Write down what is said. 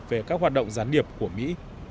về các hoạt động gián điệp của mỹ